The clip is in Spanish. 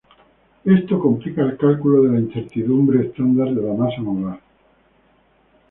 Esto complica el cálculo de la incertidumbre estándar de la masa molar.